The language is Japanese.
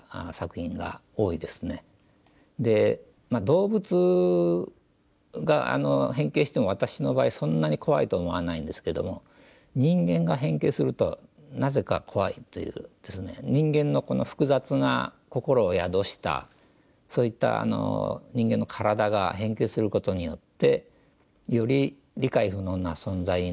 で動物が変形しても私の場合そんなに怖いと思わないんですけども人間が変形するとなぜか怖いというですね人間のこの複雑な心を宿したそういった人間の体が変形することによってより理解不能な存在になると。